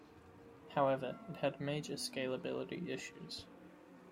However, it had major scalability issues.